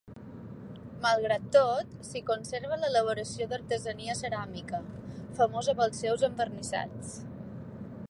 Malgrat tot s'hi conserva l'elaboració d'artesania ceràmica, famosa pels seus envernissats.